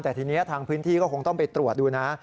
แต่ทีนี้ทางพื้นที่ก็คงต้องไปตรวจดูนะ